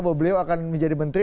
bahwa beliau akan menjadi menteri